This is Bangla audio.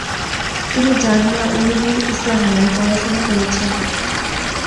তিনি জামিয়া উলুমুল ইসলামিয়ায় পড়াশুনা করেছেন।